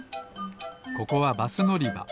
ここはバスのりば。